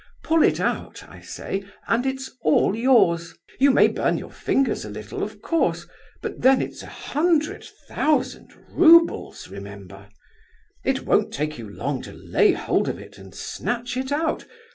Pull it out, I say, and it's all yours. You may burn your fingers a little, of course; but then it's a hundred thousand roubles, remember—it won't take you long to lay hold of it and snatch it out.